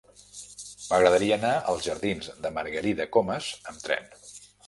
M'agradaria anar als jardins de Margarida Comas amb tren.